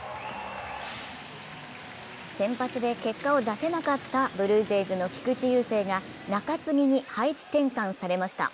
先発で結果を出せなかったブルージェイズの菊池雄星が中継ぎに配置転換されました。